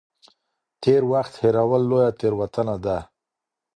تېر وخت هېرول لويه تېروتنه ده.